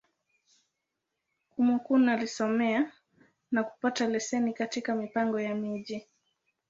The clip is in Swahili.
Kúmókụn alisomea, na kupata leseni katika Mipango ya Miji.